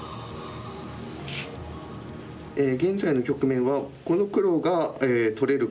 現在の局面はこの黒が取れるかどうか。